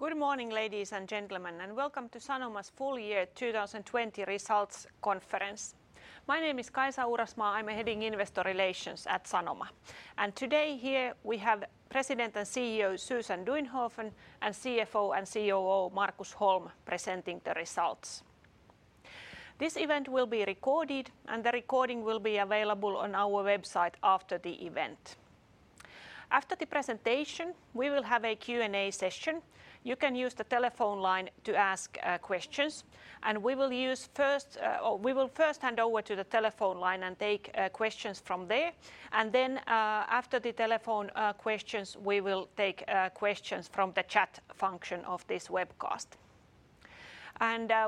Good morning, ladies and gentlemen, and welcome to Sanoma's full year 2020 results conference. My name is Kaisa Uurasmaa. I'm heading Investor Relations at Sanoma. Today here we have President and CEO Susan Duinhoven and CFO and COO Markus Holm presenting the results. This event will be recorded and the recording will be available on our website after the event. After the presentation, we will have a Q&A session. You can use the telephone line to ask questions and we will first hand over to the telephone line and take questions from there. Then after the telephone questions, we will take questions from the chat function of this webcast.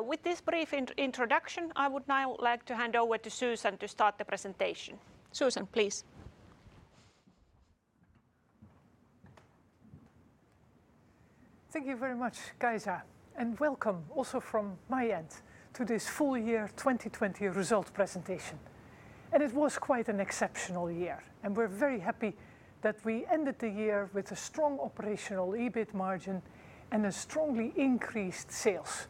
With this brief introduction, I would now like to hand over to Susan to start the presentation. Susan, please. Thank you very much, Kaisa Uurasmaa, welcome also from my end to this full year 2020 result presentation. It was quite an exceptional year, we're very happy that we ended the year with a strong operational EBIT margin and a strongly increased sales.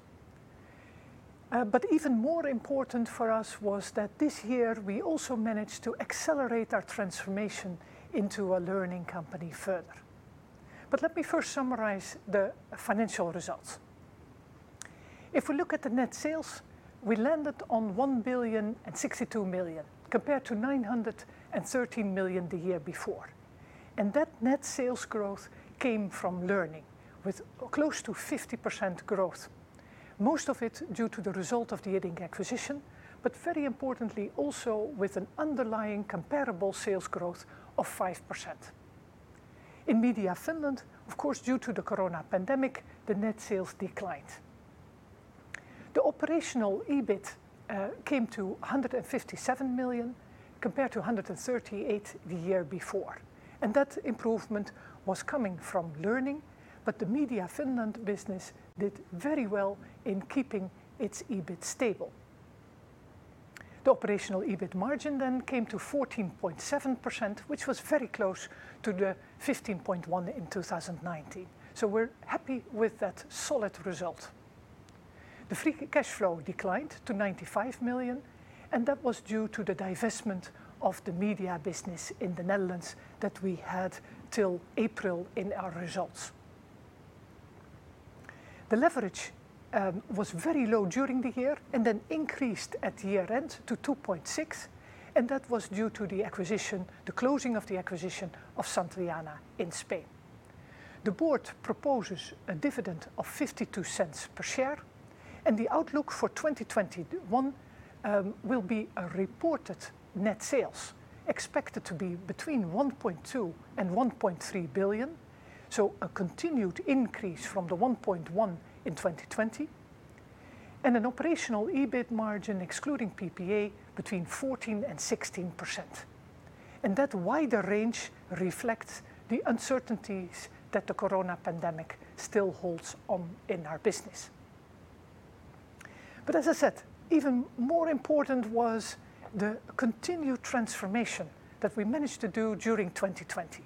Even more important for us was that this year we also managed to accelerate our transformation into a Learning company further. Let me first summarize the financial results. If we look at the net sales, we landed on 1,062 million, compared to 913 million the year before. That net sales growth came from Learning with close to 50% growth, most of it due to the result of the Santillana acquisition, very importantly also with an underlying comparable sales growth of 5%. In Media Finland, of course due to the Corona pandemic, the net sales declined. The operational EBIT came to 157 million compared to 138 million the year before, and that improvement was coming from Learning, but the Media Finland business did very well in keeping its EBIT stable. The operational EBIT margin then came to 14.7%, which was very close to the 15.1% in 2019. We're happy with that solid result. The free cash flow declined to 95 million, and that was due to the divestment of the media business in the Netherlands that we had till April in our results. The leverage was very low during the year and then increased at year-end to 2.6, and that was due to the closing of the acquisition of Santillana in Spain. The board proposes a dividend of 0.52 per share. The outlook for 2021 will be a reported net sales expected to be between 1.2 billion and 1.3 billion, a continued increase from 1.1 billion in 2020, and an operational EBIT margin excluding PPA between 14%-16%. That wider range reflects the uncertainties that the Corona pandemic still holds on in our business. As I said, even more important was the continued transformation that we managed to do during 2020.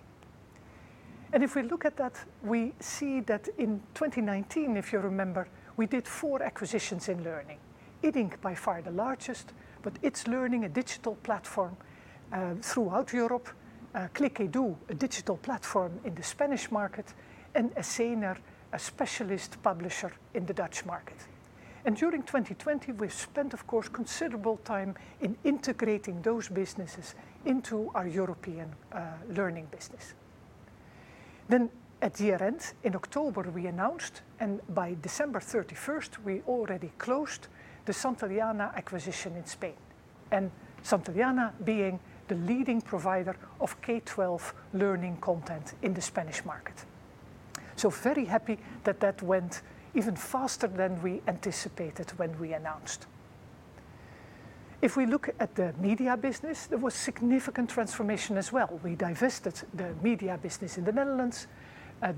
If we look at that, we see that in 2019, if you remember, we did four acquisitions in Learning: itslearning by far the largest, but itslearning, a digital platform throughout Europe; Clickedu, a digital platform in the Spanish market; and Essener, a specialist publisher in the Dutch market. During 2020, we've spent, of course, considerable time in integrating those businesses into our European Learning business. At year-end, in October, we announced, and by December 31st, we already closed the Santillana acquisition in Spain, and Santillana being the leading provider of K12 learning content in the Spanish market. Very happy that that went even faster than we anticipated when we announced. If we look at the Media business, there was significant transformation as well. We divested the media business in the Netherlands,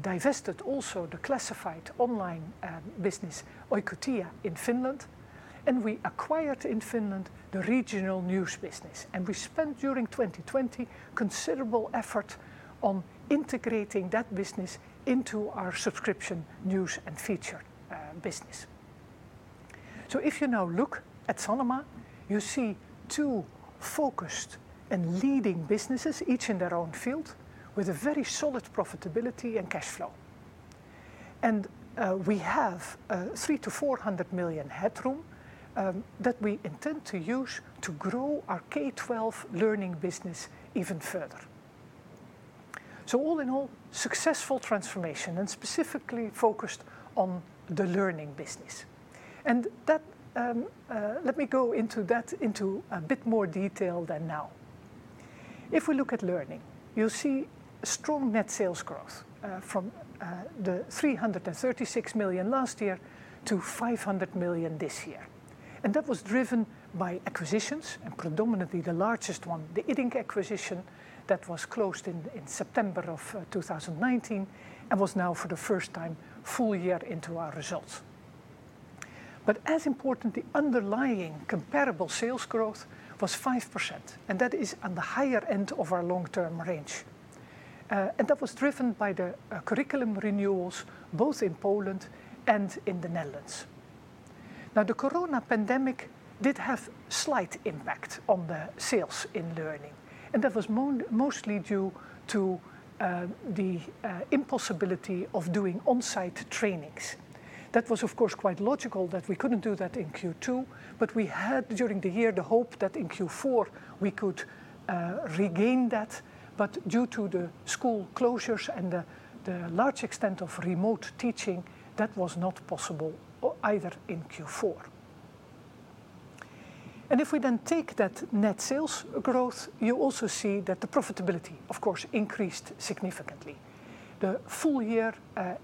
divested also the classified online business, Oikotie in Finland, and we acquired in Finland the regional news business. We spent during 2020 considerable effort on integrating that business into our subscription news and feature business. If you now look at Sanoma, you see two focused and leading businesses, each in their own field, with a very solid profitability and cash flow. We have 300 million-400 million headroom that we intend to use to grow our K12 Learning business even further. All in all, successful transformation and specifically focused on the Learning business. Let me go into that into a bit more detail than now. If we look at Learning, you'll see strong net sales growth from the 336 million last year to 500 million this year. That was driven by acquisitions and predominantly the largest one, the itslearning acquisition that was closed in September of 2019 and was now for the first time full year into our results. As important, the underlying comparable sales growth was 5%, and that is on the higher end of our long-term range. That was driven by the curriculum renewals both in Poland and in the Netherlands. The coronavirus pandemic did have slight impact on the sales in Sanoma Learning. That was mostly due to the impossibility of doing on-site trainings. That was, of course, quite logical that we couldn't do that in Q2. We had, during the year, the hope that in Q4 we could regain that. Due to the school closures and the large extent of remote teaching, that was not possible either in Q4. If we then take that net sales growth, you also see that the profitability, of course, increased significantly. The full year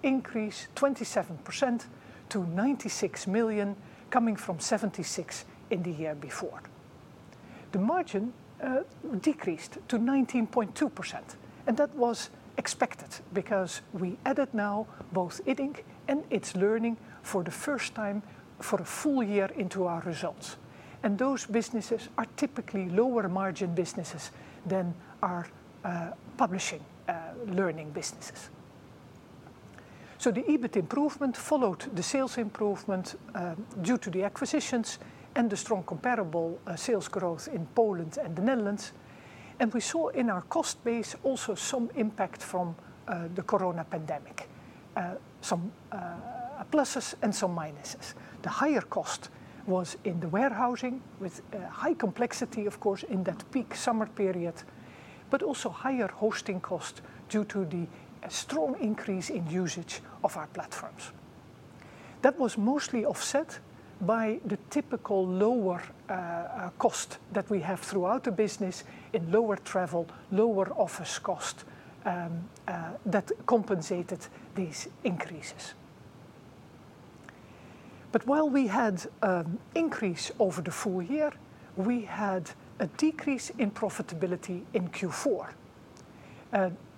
increase, 27% to 96 million, coming from 76 in the year before. The margin decreased to 19.2%. That was expected because we added now both Iddink and itslearning for the first time for a full year into our results. Those businesses are typically lower margin businesses than our publishing learning businesses. The EBIT improvement followed the sales improvement due to the acquisitions and the strong comparable sales growth in Poland and the Netherlands. We saw in our cost base also some impact from the coronavirus pandemic, some pluses and some minuses. The higher cost was in the warehousing, with high complexity, of course, in that peak summer period, but also higher hosting cost due to the strong increase in usage of our platforms. That was mostly offset by the typical lower cost that we have throughout the business in lower travel, lower office cost, that compensated these increases. While we had an increase over the full year, we had a decrease in profitability in Q4.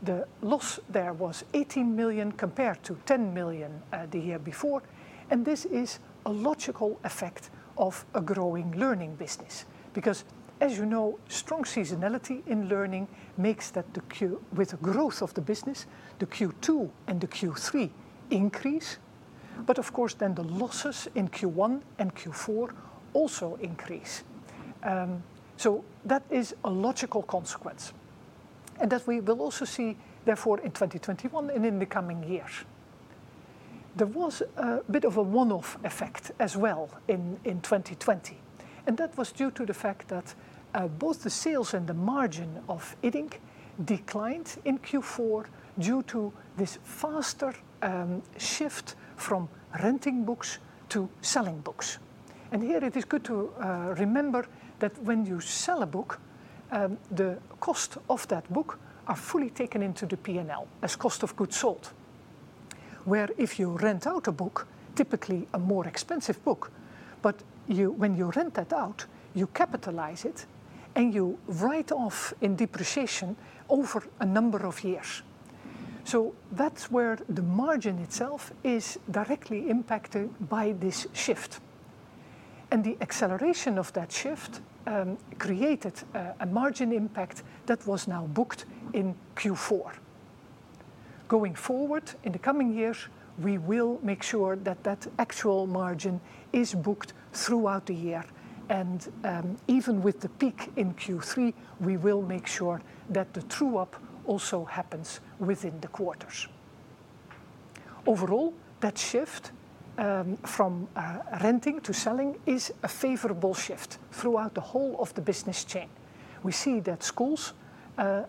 The loss there was 18 million compared to 10 million the year before, and this is a logical effect of a growing learning business. As you know, strong seasonality in learning makes that with the growth of the business, the Q2 and the Q3 increase. Of course, the losses in Q1 and Q4 also increase. That is a logical consequence, and that we will also see, therefore, in 2021 and in the coming years. There was a bit of a one-off effect as well in 2020, and that was due to the fact that both the sales and the margin of Iddink declined in Q4 due to this faster shift from renting books to selling books. Here it is good to remember that when you sell a book, the cost of that book are fully taken into the P&L as cost of goods sold. Where if you rent out a book, typically a more expensive book, but when you rent that out, you capitalize it and you write off in depreciation over a number of years. That's where the margin itself is directly impacted by this shift. The acceleration of that shift created a margin impact that was now booked in Q4. Going forward, in the coming years, we will make sure that that actual margin is booked throughout the year. Even with the peak in Q3, we will make sure that the true-up also happens within the quarters. Overall, that shift from renting to selling is a favorable shift throughout the whole of the business chain. We see that schools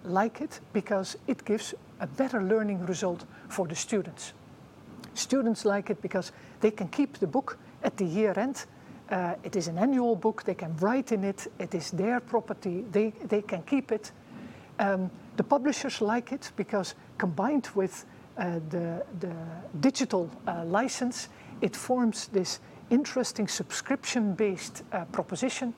like it because it gives a better learning result for the students. Students like it because they can keep the book at the year-end. It is an annual book. They can write in it. It is their property. They can keep it. The publishers like it because combined with the digital license, it forms this interesting subscription-based proposition.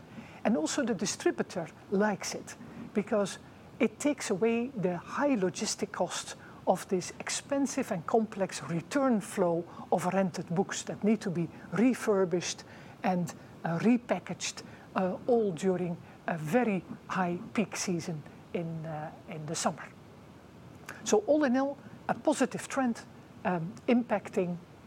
Also the distributor likes it because it takes away the high logistic cost of this expensive and complex return flow of rented books that need to be refurbished and repackaged, all during a very high peak season in the summer.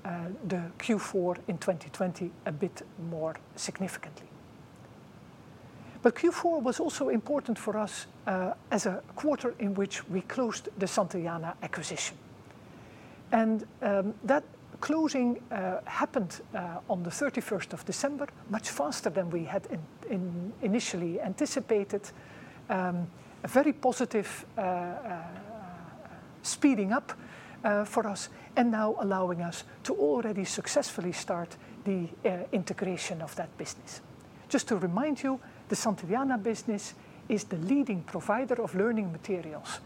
Q4 was also important for us as a quarter in which we closed the Santillana acquisition. That closing happened on the 31st of December, much faster than we had initially anticipated. A very positive speeding up for us and now allowing us to already successfully start the integration of that business. Just to remind you, the Santillana business is the leading provider of learning materials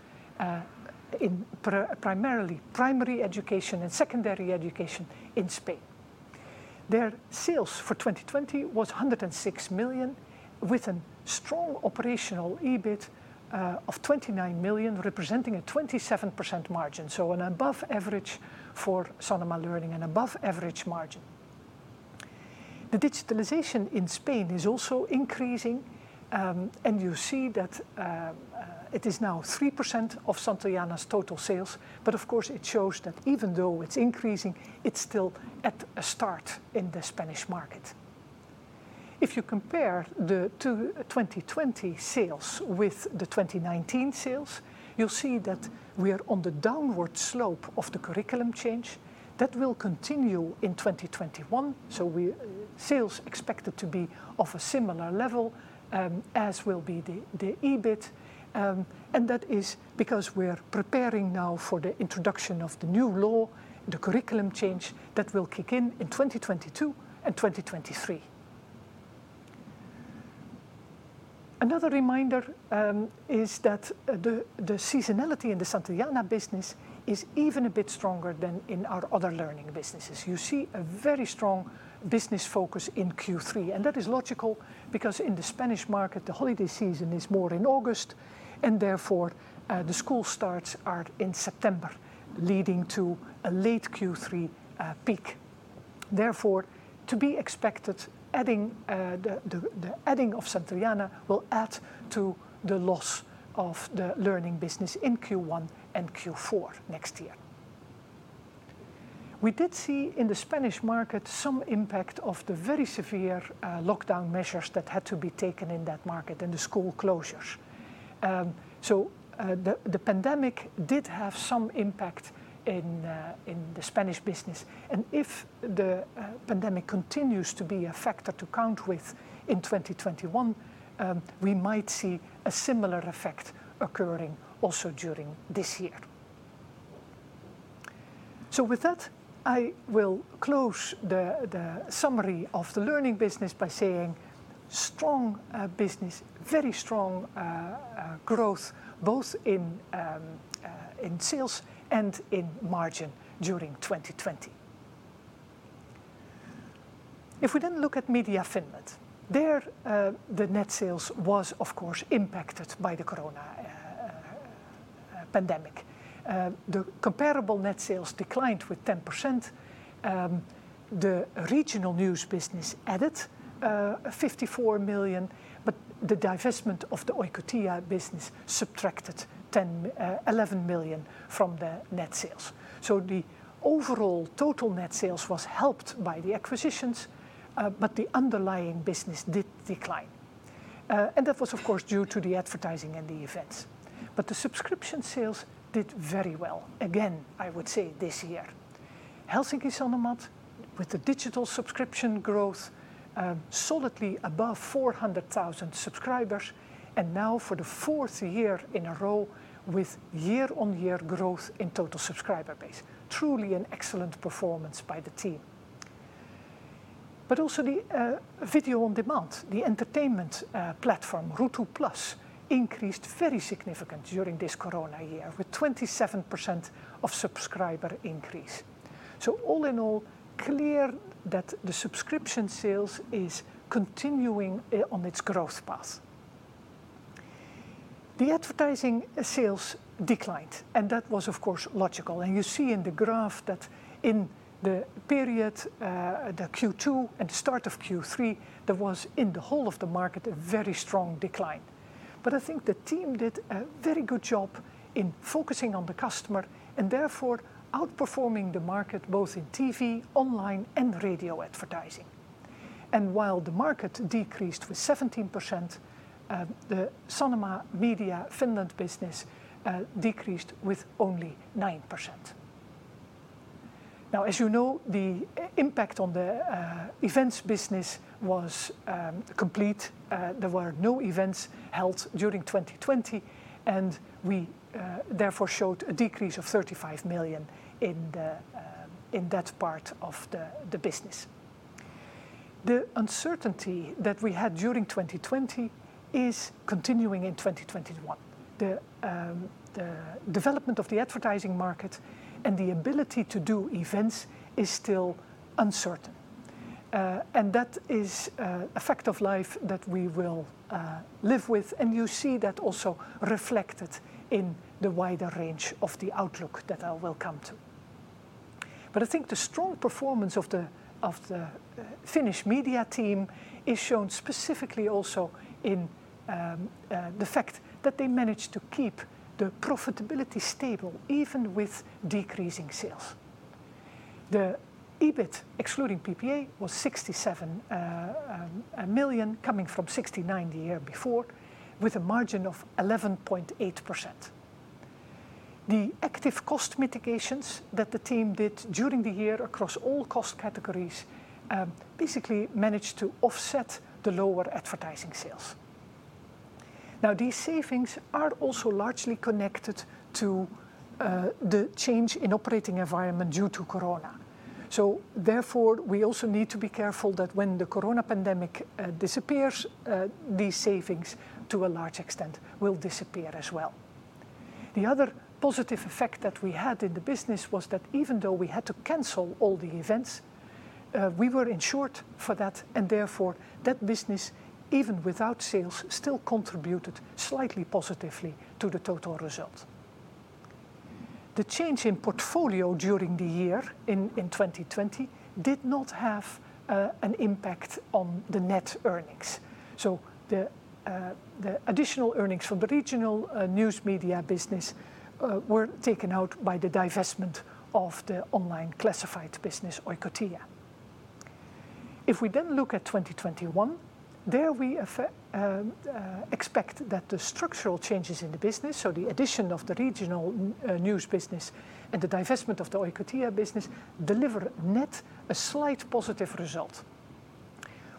in primarily primary education and secondary education in Spain. Their sales for 2020 was 106 million, with a strong operational EBIT of 29 million, representing a 27% margin. An above average for Sanoma Learning, an above average margin. The digitalization in Spain is also increasing, and you see that it is now 3% of Santillana's total sales. Of course, it shows that even though it's increasing, it's still at a start in the Spanish market. If you compare the 2020 sales with the 2019 sales, you'll see that we are on the downward slope of the curriculum change. That will continue in 2021, sales expected to be of a similar level, as will be the EBIT. That is because we are preparing now for the introduction of the new law and the curriculum change that will kick in in 2022 and 2023. Another reminder is that the seasonality in the Santillana business is even a bit stronger than in our other learning businesses. You see a very strong business focus in Q3. That is logical because in the Spanish market, the holiday season is more in August, therefore, the school starts are in September, leading to a late Q3 peak. Therefore, to be expected, the adding of Santillana will add to the loss of the learning business in Q1 and Q4 next year. We did see in the Spanish market some impact of the very severe lockdown measures that had to be taken in that market and the school closures. The pandemic did have some impact in the Spanish business. If the pandemic continues to be a factor to count with in 2021, we might see a similar effect occurring also during this year. With that, I will close the summary of the learning business by saying strong business, very strong growth, both in sales and in margin during 2020. If we look at Media Finland, there the net sales was, of course, impacted by the Corona pandemic. The comparable net sales declined with 10%. The regional news business added 54 million, but the divestment of the Oikotie business subtracted 11 million from the net sales. The overall total net sales was helped by the acquisitions, but the underlying business did decline. That was, of course, due to the advertising and the events. The subscription sales did very well, again, I would say this year. Helsingin Sanomat, with the digital subscription growth solidly above 400,000 subscribers, and now for the fourth year in a row with year-on-year growth in total subscriber base. Truly an excellent performance by the team. Also the video on demand, the entertainment platform, Ruutu+, increased very significant during this corona year, with 27% of subscriber increase. All in all, clear that the subscription sales is continuing on its growth path. The advertising sales declined, that was of course logical. You see in the graph that in the period, the Q2 and start of Q3, there was in the whole of the market, a very strong decline. I think the team did a very good job in focusing on the customer and therefore outperforming the market, both in TV, online, and radio advertising. While the market decreased with 17%, the Sanoma Media Finland business decreased with only 9%. Now, as you know, the impact on the events business was complete. There were no events held during 2020, and we therefore showed a decrease of 35 million in that part of the business. The uncertainty that we had during 2020 is continuing in 2021. The development of the advertising market and the ability to do events is still uncertain. That is a fact of life that we will live with, and you see that also reflected in the wider range of the outlook that I will come to. I think the strong performance of the Finnish media team is shown specifically also in the fact that they managed to keep the profitability stable, even with decreasing sales. The EBIT, excluding PPA, was 67 million, coming from 69 the year before, with a margin of 11.8%. The active cost mitigations that the team did during the year across all cost categories basically managed to offset the lower advertising sales. These savings are also largely connected to the change in operating environment due to corona. Therefore, we also need to be careful that when the Corona pandemic disappears, these savings, to a large extent, will disappear as well. The other positive effect that we had in the business was that even though we had to cancel all the events, we were insured for that, and therefore that business, even without sales, still contributed slightly positively to the total result. The change in portfolio during the year in 2020 did not have an impact on the net earnings. The additional earnings from the regional news media business were taken out by the divestment of the online classified business, Oikotie. If we did look at 2021, there we expect that the structural changes in the business, so the addition of the regional news business and the divestment of the Oikotie business, deliver net a slight positive result.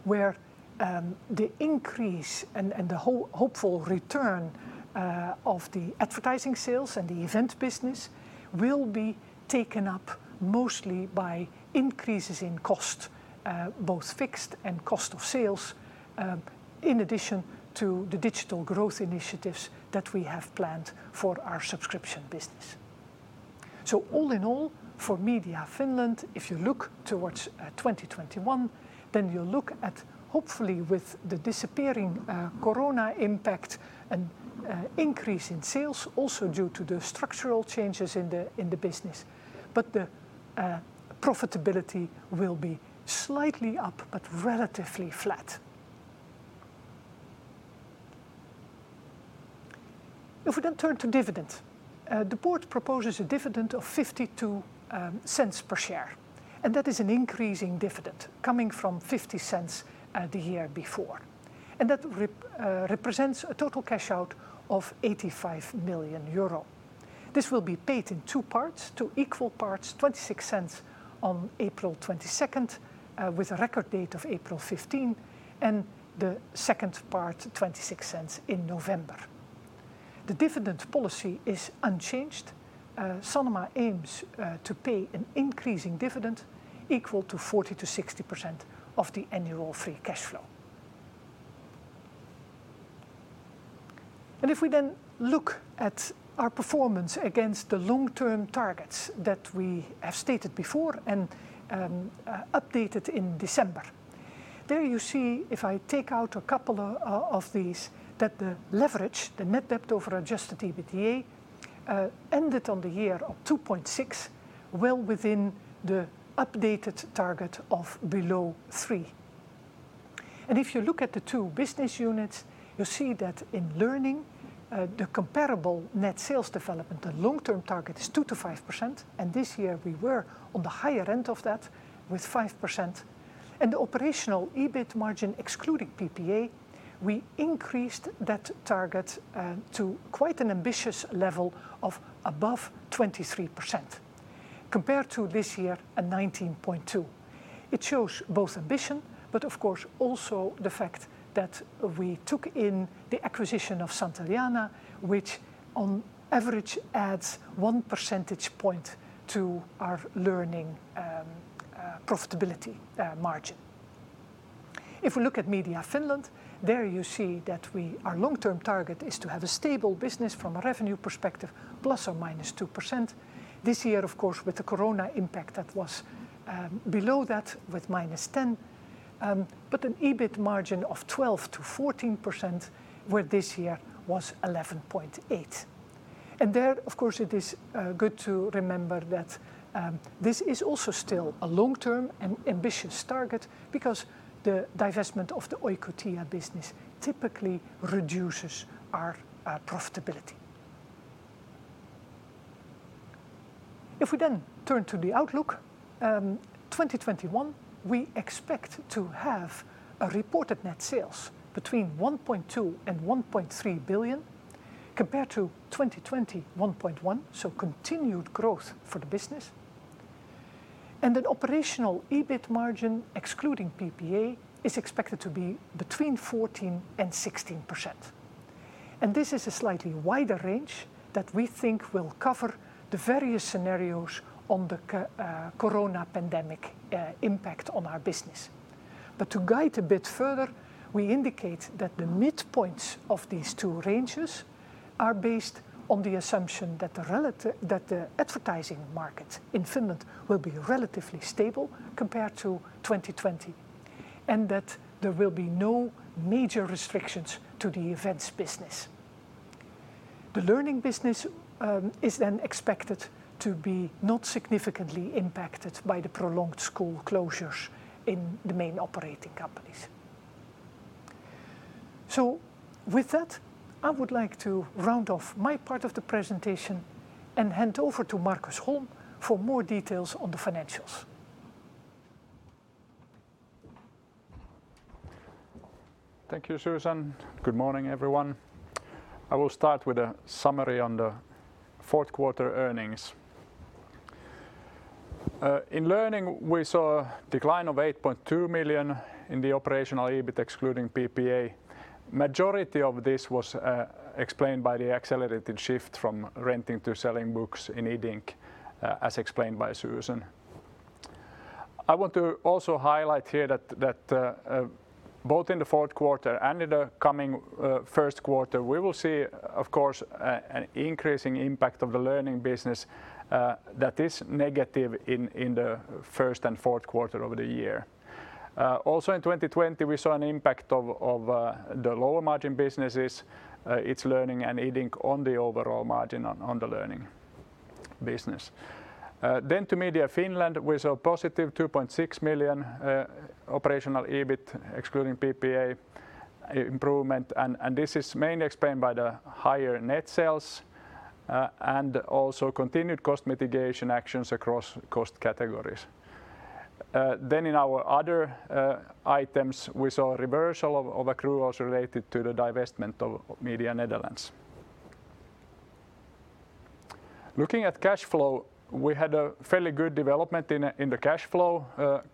Where the increase and the hopeful return of the advertising sales and the event business will be taken up mostly by increases in cost, both fixed and cost of sales, in addition to the digital growth initiatives that we have planned for our subscription business. All in all, for Sanoma Media Finland, if you look towards 2021, you look at, hopefully with the disappearing corona impact, an increase in sales also due to the structural changes in the business. The profitability will be slightly up but relatively flat. If we then turn to dividends. The board proposes a dividend of 0.52 per share. That is an increasing dividend coming from 0.50 the year before. That represents a total cash-out of 85 million euro. This will be paid in two parts, two equal parts, 0.26 on April 22nd, with a record date of April 15th, and the second part, 0.26 in November. The dividend policy is unchanged. Sanoma aims to pay an increasing dividend equal to 40%-60% of the annual free cash flow. If we then look at our performance against the long-term targets that we have stated before and updated in December. There you see, if I take out a couple of these, that the leverage, the net debt over adjusted EBITDA, ended on the year of 2.6, well within the updated target of below three. If you look at the two business units, you see that in learning, the comparable net sales development, the long-term target is 2%-5%, and this year we were on the higher end of that with 5%. The operational EBIT margin excluding PPA, we increased that target to quite an ambitious level of above 23%, compared to this year, 19.2%. It shows both ambition, but of course, also the fact that we took in the acquisition of Santillana, which on average adds one percentage point to our learning profitability margin. If we look at Media Finland, there you see that our long-term target is to have a stable business from a revenue perspective, ±2%. This year, of course, with the corona impact, that was below that with -10%. An EBIT margin of 12%-14%, where this year was 11.8%. There, of course, it is good to remember that this is also still a long-term and ambitious target because the divestment of the Oikotie business typically reduces our profitability. We turn to the outlook. 2021, we expect to have a reported net sales between 1.2 billion and 1.3 billion compared to 2020, 1.1 billion, so continued growth for the business. An operational EBIT margin excluding PPA is expected to be between 14% and 16%. This is a slightly wider range that we think will cover the various scenarios on the Corona pandemic impact on our business. To guide a bit further, we indicate that the midpoints of these two ranges are based on the assumption that the advertising market in Finland will be relatively stable compared to 2020, and that there will be no major restrictions to the events business. The learning business is expected to be not significantly impacted by the prolonged school closures in the main operating companies. With that, I would like to round off my part of the presentation and hand over to Markus Holm for more details on the financials. Thank you, Susan. Good morning, everyone. I will start with a summary on the fourth quarter earnings. In learning, we saw a decline of 8.2 million in the operational EBIT excluding PPA. Majority of this was explained by the accelerated shift from renting to selling books in Iddink, as explained by Susan. I want to highlight here that both in the fourth quarter and in the coming first quarter, we will see, of course, an increasing impact of the learning business that is negative in the first and fourth quarter of the year. In 2020, we saw an impact of the lower margin businesses, itslearning and Clickedu on the overall margin on the Learning business. To Media Finland, we saw positive 2.6 million operational EBIT excluding PPA improvement, and this is mainly explained by the higher net sales and also continued cost mitigation actions across cost categories. In our other items, we saw a reversal of accruals related to the divestment of Media Netherlands. Looking at cash flow, we had a fairly good development in the cash flow.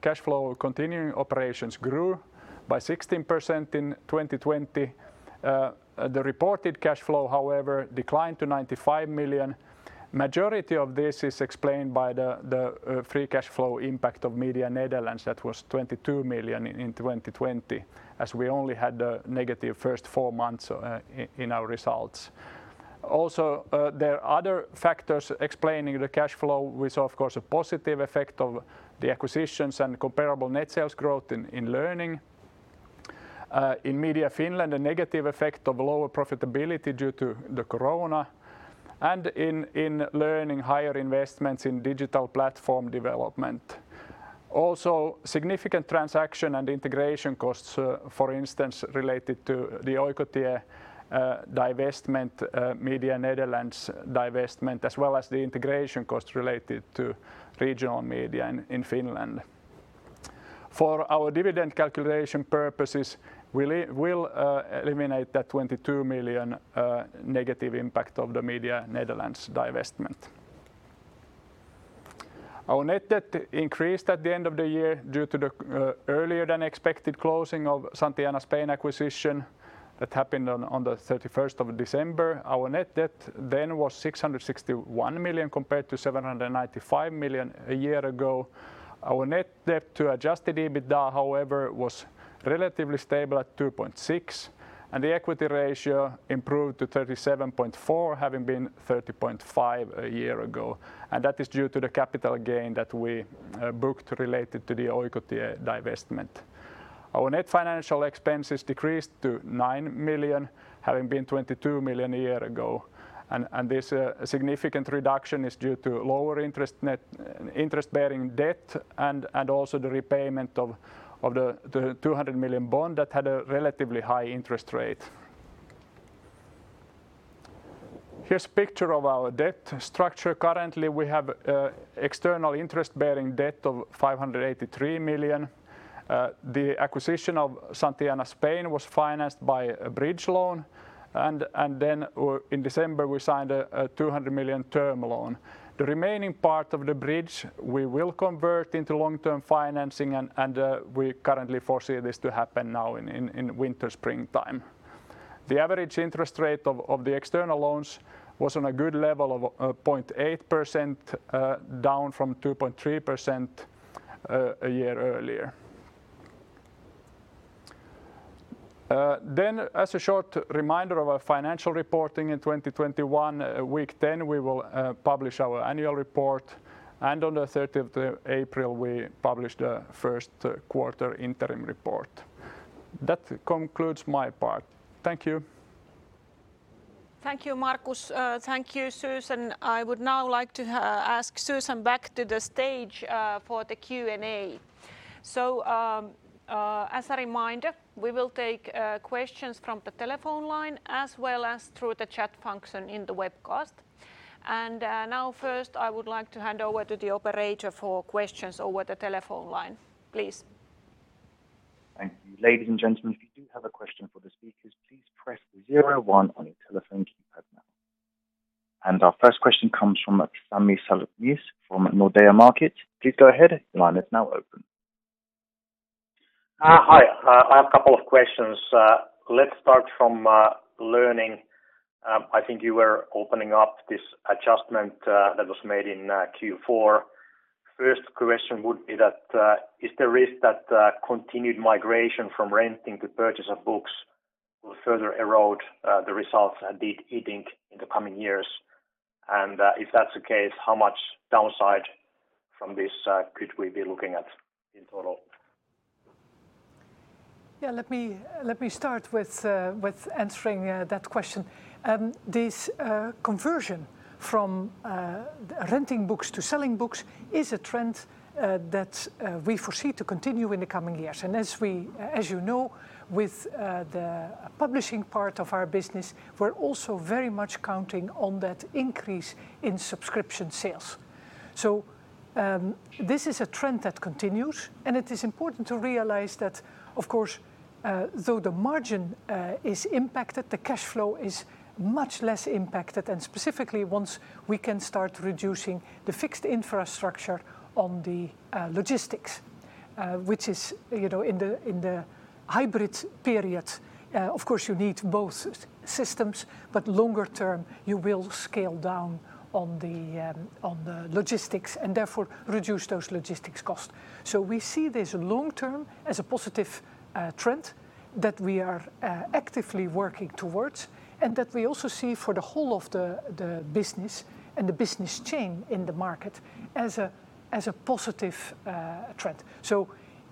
Cash flow continuing operations grew by 16% in 2020. The reported cash flow, however, declined to 95 million. Majority of this is explained by the free cash flow impact of Media Netherlands that was 22 million in 2020, as we only had the negative first four months in our results. There are other factors explaining the cash flow. We saw, of course, a positive effect of the acquisitions and comparable net sales growth in Learning. In Media Finland, a negative effect of lower profitability due to the corona, and in Learning, higher investments in digital platform development. Significant transaction and integration costs, for instance, related to the Oikotie divestment, Media Netherlands divestment, as well as the integration costs related to regional media in Finland. For our dividend calculation purposes, we'll eliminate that 22 million negative impact of the Media Netherlands divestment. Our net debt increased at the end of the year due to the earlier-than-expected closing of Santillana Spain acquisition that happened on the 31st of December. Our net debt was 661 million compared to 795 million a year ago. Our net debt to adjusted EBITDA, however, was relatively stable at 2.6. The equity ratio improved to 37.4, having been 30.5 a year ago. That is due to the capital gain that we booked related to the Oikotie divestment. Our net financial expenses decreased to 9 million, having been 22 million a year ago. This significant reduction is due to lower interest-bearing debt and also the repayment of the 200 million bond that had a relatively high interest rate. Here's a picture of our debt structure. Currently, we have external interest-bearing debt of 583 million. The acquisition of Santillana Spain was financed by a bridge loan. In December we signed a 200 million term loan. The remaining part of the bridge, we will convert into long-term financing. We currently foresee this to happen now in winter, springtime. The average interest rate of the external loans was on a good level of 0.8%, down from 2.3% a year earlier. As a short reminder of our financial reporting in 2021, week 10 we will publish our annual report, and on the 30th April we publish the first quarter interim report. That concludes my part. Thank you. Thank you, Markus. Thank you, Susan. I would now like to ask Susan back to the stage for the Q&A. As a reminder, we will take questions from the telephone line as well as through the chat function in the webcast. Now first I would like to hand over to the operator for questions over the telephone line, please. Thank you. Ladies and gentlemen, Our first question comes from Sami Sarkamies from Nordea Markets. Please go ahead. Your line is now open. Hi. I have a couple of questions. Let's start from Learning. I think you were opening up this adjustment that was made in Q4. First question would be that, is there risk that continued migration from renting to purchase of books will further erode the results and EBIT in the coming years? If that's the case, how much downside from this could we be looking at in total? Yeah, let me start with answering that question. This conversion from renting books to selling books is a trend that we foresee to continue in the coming years. As you know, with the publishing part of our business, we're also very much counting on that increase in subscription sales. This is a trend that continues, and it is important to realize that, of course, though the margin is impacted, the cash flow is much less impacted, and specifically once we can start reducing the fixed infrastructure on the logistics which is in the hybrid period. Of course you need both systems, but longer term you will scale down on the logistics and therefore reduce those logistics costs. We see this long-term as a positive trend that we are actively working towards, and that we also see for the whole of the business and the business chain in the market as a positive trend.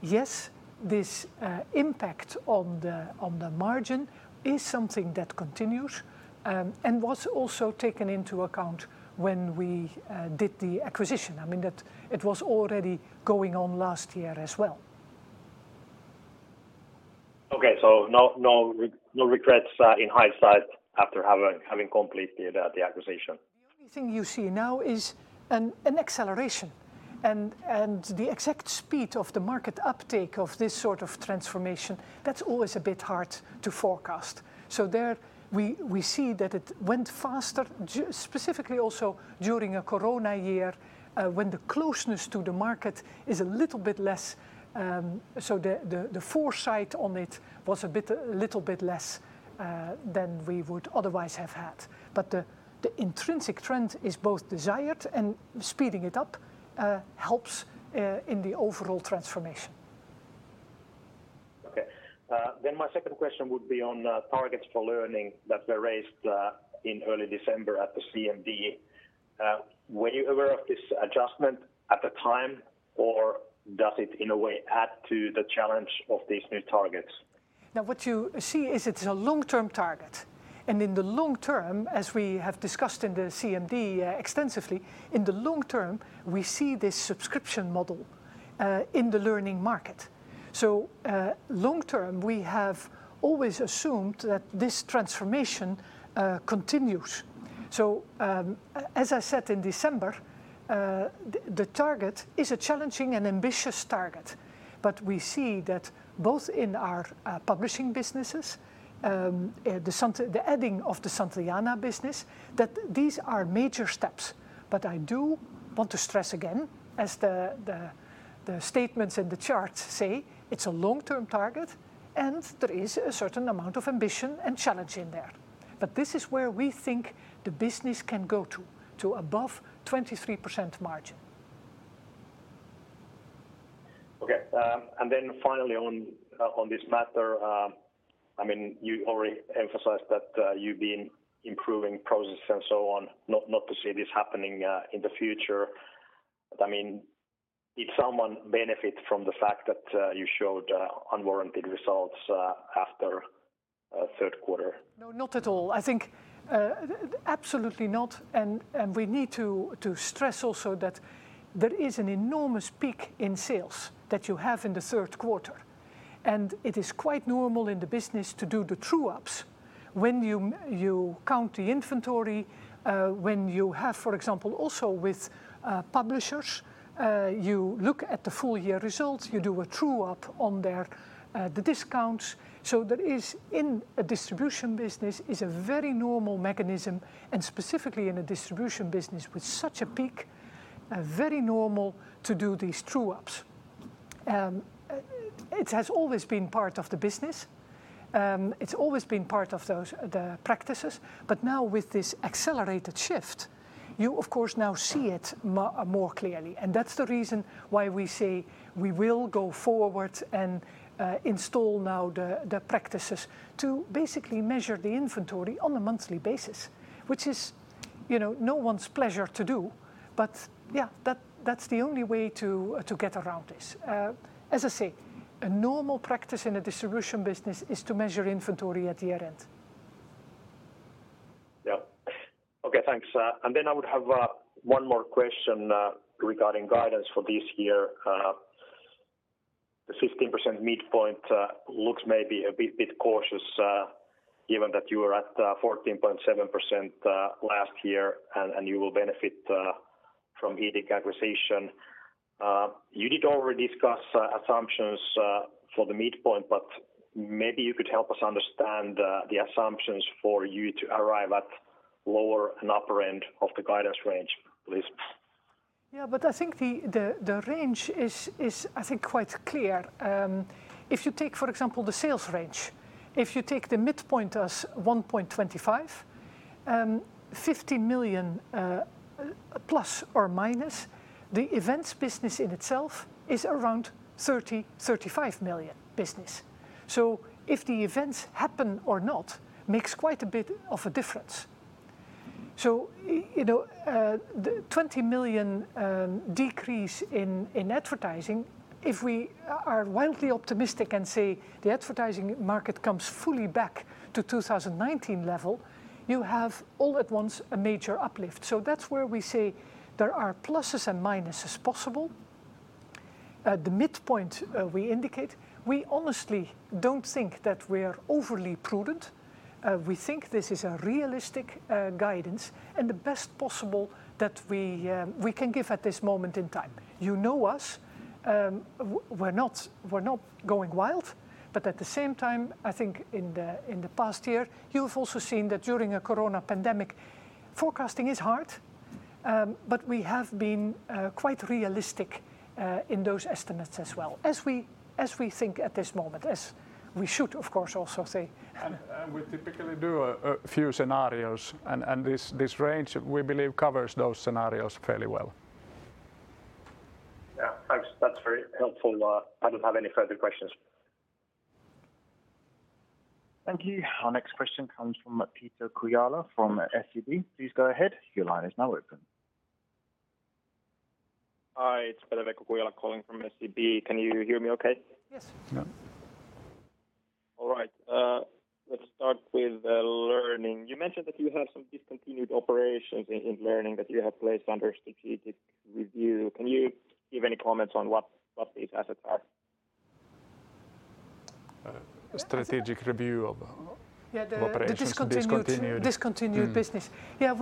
Yes, this impact on the margin is something that continues and was also taken into account when we did the acquisition. I mean, it was already going on last year as well. Okay. No regrets in hindsight after having completed the acquisition? The only thing you see now is an acceleration, and the exact speed of the market uptake of this sort of transformation, that's always a bit hard to forecast. There we see that it went faster, specifically also during a corona year, when the closeness to the market is a little bit less. The foresight on it was a little bit less than we would otherwise have had. The intrinsic trend is both desired, and speeding it up helps in the overall transformation. Okay. My second question would be on targets for learning that were raised in early December at the CMD. Were you aware of this adjustment at the time, or does it in a way add to the challenge of these new targets? What you see is it's a long term target, and in the long term, as we have discussed in the CMD extensively, in the long term, we see this subscription model in the learning market. Long term, we have always assumed that this transformation continues. As I said in December, the target is a challenging and ambitious target. We see that both in our publishing businesses, the adding of the Santillana business, that these are major steps. I do want to stress again, as the statements in the charts say, it's a long term target, and there is a certain amount of ambition and challenge in there. This is where we think the business can go to above 23% margin. Okay. Finally on this matter, you already emphasized that you've been improving processes and so on, not to see this happening in the future. Did someone benefit from the fact that you showed unwarranted results after third quarter? No, not at all. I think absolutely not. We need to stress also that there is an enormous peak in sales that you have in the third quarter. It is quite normal in the business to do the true-ups. When you count the inventory, when you have, for example, also with publishers, you look at the full year results, you do a true-up on the discounts. In a distribution business it's a very normal mechanism, and specifically in a distribution business with such a peak, very normal to do these true-ups. It has always been part of the business. It's always been part of the practices. Now with this accelerated shift, you of course now see it more clearly. That's the reason why we say we will go forward and install now the practices to basically measure the inventory on a monthly basis. Which is no one's pleasure to do. Yeah, that's the only way to get around this. As I say, a normal practice in a distribution business is to measure inventory at year-end. Yeah. Okay, thanks. I would have one more question regarding guidance for this year. The 15% midpoint looks maybe a bit cautious, given that you were at 14.7% last year, and you will benefit from Iddink acquisition. You did already discuss assumptions for the midpoint, maybe you could help us understand the assumptions for you to arrive at lower and upper end of the guidance range, please. Yeah, I think the range is quite clear. If you take, for example, the sales range, if you take the midpoint as 1.25, ±50 million, the events business in itself is around 30 million-35 million business. If the events happen or not, makes quite a bit of a difference. The 20 million decrease in advertising, if we are wildly optimistic and say the advertising market comes fully back to 2019 level, you have all at once a major uplift. That's where we say there are pluses and minuses possible. The midpoint we indicate, we honestly don't think that we're overly prudent. We think this is a realistic guidance and the best possible that we can give at this moment in time. You know us. We're not going wild. At the same time, I think in the past year, you've also seen that during a Corona pandemic, forecasting is hard. We have been quite realistic in those estimates as well. As we think at this moment, as we should of course also say. We typically do a few scenarios. This range we believe covers those scenarios fairly well. Yeah. Thanks. That's very helpful. I don't have any further questions. Thank you. Our next question comes from Pete Kujala from SEB. Please go ahead. Hi, it's Pete Kujala calling from SEB. Can you hear me okay? Yes. Yeah All right. Let's start with Learning. You mentioned that you have some discontinued operations in Learning that you have placed under strategic review. Can you give any comments on what these assets are? Strategic review of- Yeah Of operations discontinued The discontinued business. Yeah.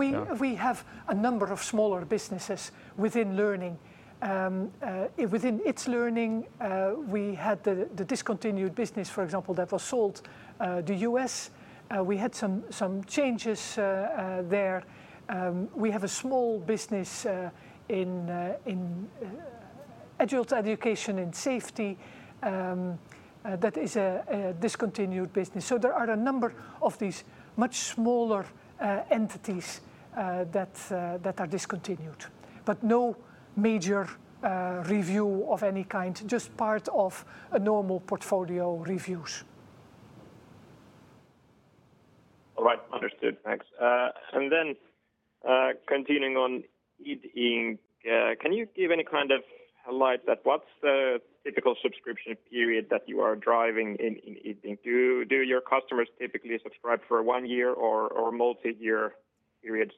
We have a number of smaller businesses within Learning. Within itslearning, we had the discontinued business, for example, that was sold. The U.S., we had some changes there. We have a small business in adult education and safety, that is a discontinued business. There are a number of these much smaller entities that are discontinued. No major review of any kind, just part of normal portfolio reviews. All right. Understood. Thanks. Continuing on Iddink. Can you give any kind of light that what's the typical subscription period that you are driving in Iddink? Do your customers typically subscribe for one year or multi-year periods?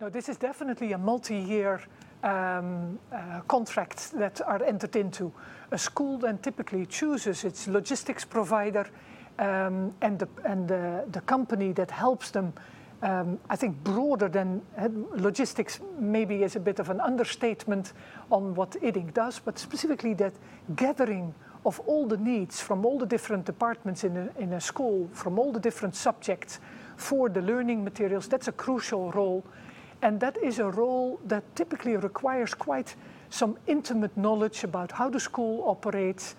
No, this is definitely a multi-year contract that are entered into. A school then typically chooses its logistics provider, and the company that helps them, I think broader than logistics maybe is a bit of an understatement on what Iddink does, but specifically that gathering of all the needs from all the different departments in a school, from all the different subjects for the learning materials. That's a crucial role, and that is a role that typically requires quite some intimate knowledge about how the school operates,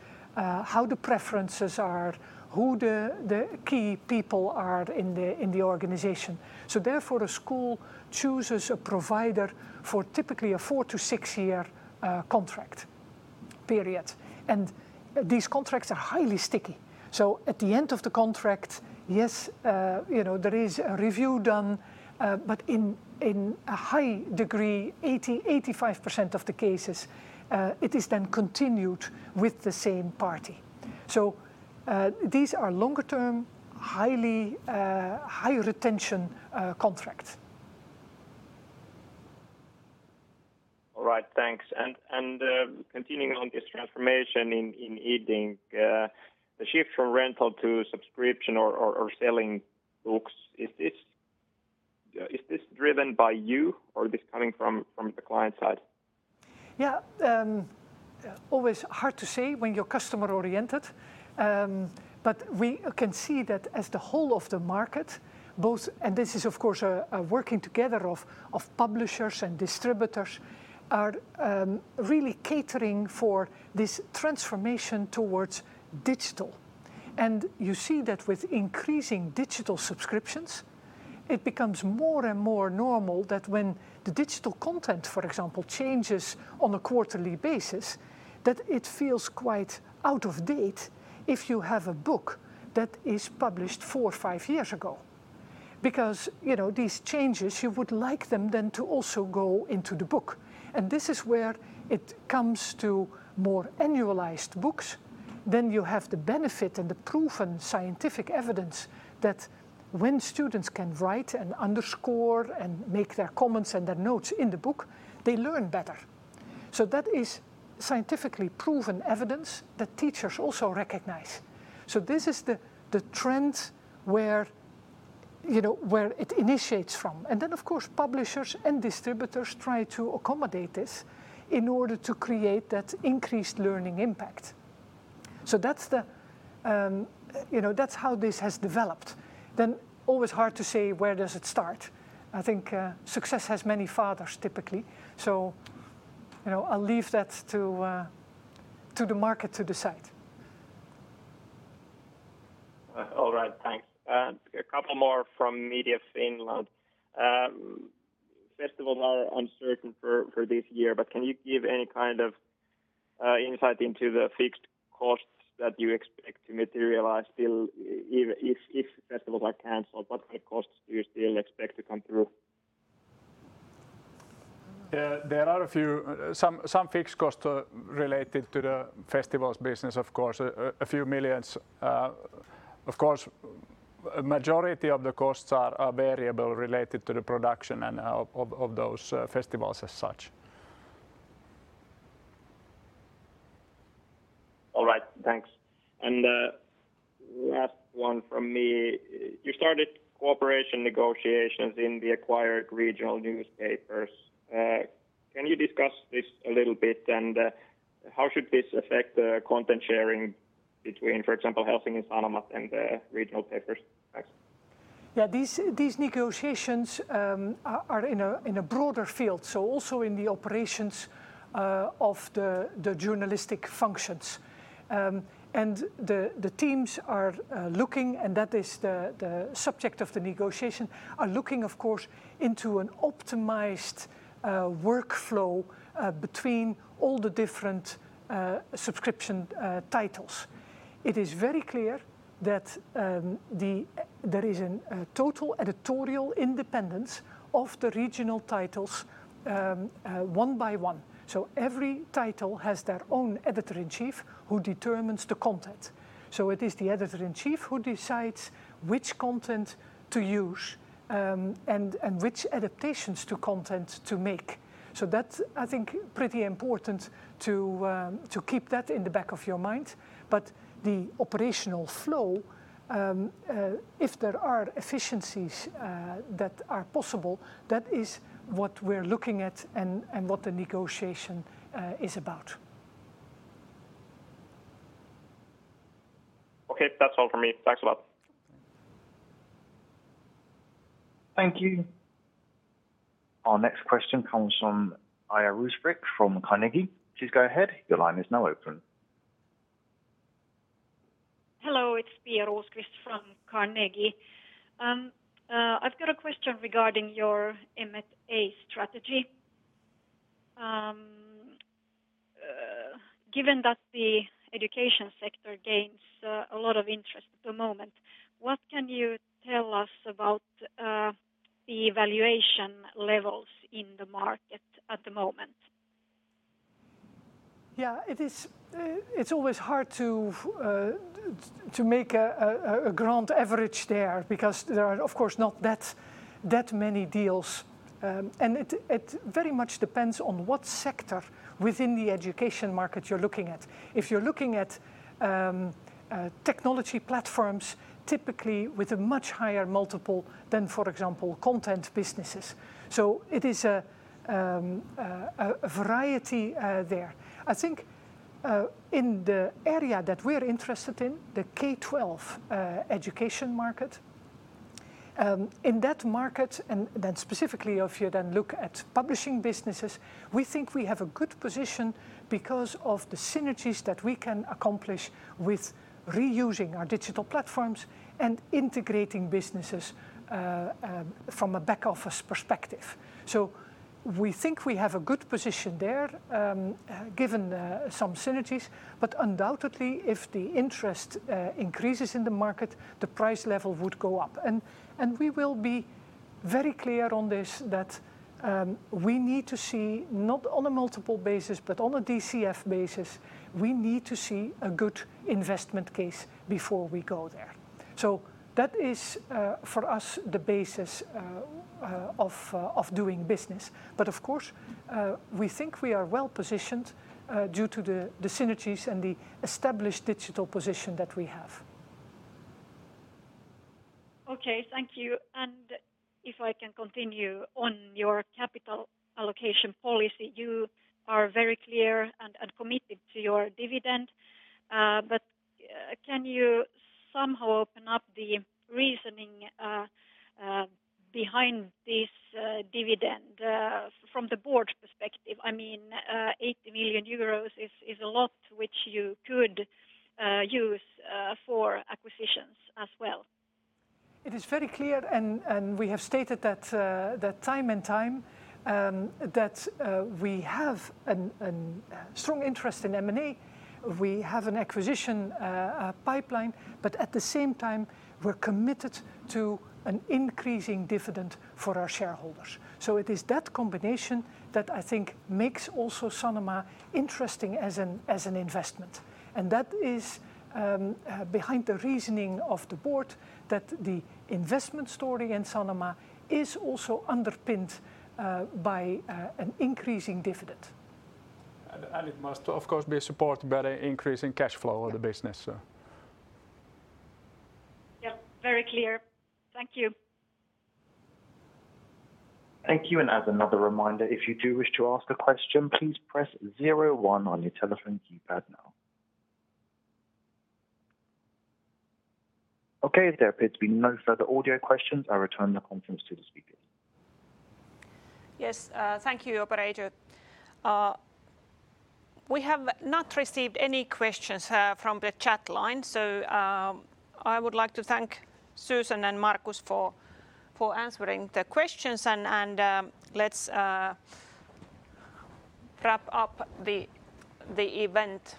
how the preferences are, who the key people are in the organization. Therefore, a school chooses a provider for typically a four to six year contract period. These contracts are highly sticky. At the end of the contract, yes, there is a review done. In a high degree, 80%-85% of the cases, it is then continued with the same party. These are longer-term, high retention contracts. All right. Thanks. Continuing on this transformation in Iddink, the shift from rental to subscription or selling books, is this driven by you or this coming from the client side? Yeah. Always hard to say when you're customer-oriented. We can see that as the whole of the market, both, and this is of course a working together of publishers and distributors, are really catering for this transformation towards digital. You see that with increasing digital subscriptions, it becomes more and more normal that when the digital content, for example, changes on a quarterly basis, that it feels quite out of date if you have a book that is published four or five years ago. These changes, you would like them then to also go into the book. This is where it comes to more annualized books. You have the benefit and the proven scientific evidence that when students can write and underscore and make their comments and their notes in the book, they learn better. That is scientifically proven evidence that teachers also recognize. This is the trend where it initiates from, and then, of course, publishers and distributors try to accommodate this in order to create that increased learning impact. That's how this has developed. Always hard to say, where does it start? I think success has many fathers typically. I'll leave that to the market to decide. All right. Thanks. A couple more from Media Finland. Festivals are uncertain for this year, but can you give any kind of insight into the fixed costs that you expect to materialize still if festivals are canceled, what kind of costs do you still expect to come through? There are some fixed costs related to the festivals business, of course, a few million euros. Of course, a majority of the costs are variable related to the production and of those festivals as such. All right, thanks. Last one from me. You started cooperation negotiations in the acquired regional newspapers. Can you discuss this a little bit? How should this affect the content sharing between, for example, Helsingin Sanomat and the regional papers? Thanks Yeah. These negotiations are in a broader field, so also in the operations of the journalistic functions. The teams are looking, and that is the subject of the negotiation, are looking, of course, into an optimized workflow between all the different subscription titles. It is very clear that there is a total editorial independence of the regional titles, one by one. Every title has their own editor in chief who determines the content. It is the editor in chief who decides which content to use, and which adaptations to content to make. That's, I think, pretty important to keep that in the back of your mind. The operational flow, if there are efficiencies that are possible, that is what we're looking at and what the negotiation is about. Okay. That's all from me. Thanks a lot. Thank you. Our next question comes from Pia Rosqvist-Heinsalmi from Carnegie. Please go ahead. Hello, it's Pia Rosqvist-Heinsalmi from Carnegie. I've got a question regarding your M&A strategy. Given that the education sector gains a lot of interest at the moment, what can you tell us about the valuation levels in the market at the moment? Yeah. It's always hard to make a grand average there because there are, of course, not that many deals. It very much depends on what sector within the education market you're looking at. If you're looking at technology platforms, typically with a much higher multiple than, for example, content businesses. It is a variety there. I think, in the area that we're interested in, the K12 education market. In that market, and then specifically if you then look at publishing businesses, we think we have a good position because of the synergies that we can accomplish with reusing our digital platforms and integrating businesses from a back office perspective. We think we have a good position there, given some synergies. Undoubtedly, if the interest increases in the market, the price level would go up. We will be very clear on this, that we need to see not on a multiple basis, but on a DCF basis. We need to see a good investment case before we go there. That is, for us, the basis of doing business. Of course, we think we are well positioned due to the synergies and the established digital position that we have. Okay. Thank you. If I can continue on your capital allocation policy, you are very clear and committed to your dividend. Can you somehow open up the reasoning behind this dividend from the board's perspective? I mean, 80 million euros is a lot, which you could use for acquisitions as well. It is very clear and we have stated that time and time that we have a strong interest in M&A. We have an acquisition pipeline. At the same time, we're committed to an increasing dividend for our shareholders. It is that combination that I think makes also Sanoma interesting as an investment. That is behind the reasoning of the board, that the investment story in Sanoma is also underpinned by an increasing dividend. It must, of course, be supported by the increasing cash flow of the business. Yep. Very clear. Thank you. Thank you. As another reminder, if you do wish to ask a question, please press zero one on your telephone keypad now. Okay. There appears to be no further audio questions. I return the conference to the speakers. Yes. Thank you, operator. We have not received any questions from the chat line, so I would like to thank Susan and Markus for answering the questions, and let's wrap up the event.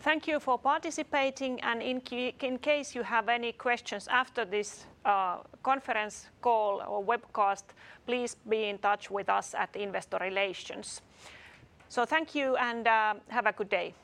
Thank you for participating, and in case you have any questions after this conference call or webcast, please be in touch with us at Investor Relations. Thank you, and have a good day.